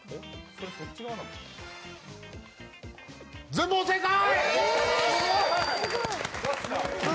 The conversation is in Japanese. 全問正解！